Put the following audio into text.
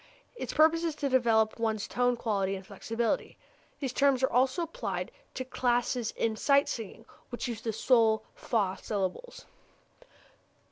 Its purpose is to develop tone quality and flexibility. These terms are also often applied to classes in sight singing which use the sol fa syllables.